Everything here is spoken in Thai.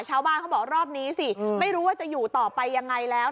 เขาบอกรอบนี้สิไม่รู้ว่าจะอยู่ต่อไปยังไงแล้ว